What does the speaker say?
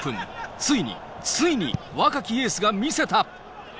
ついに、ついに若きエースが見せた。